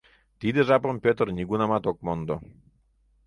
Тиде жапым Пӧтыр нигунамат ок мондо.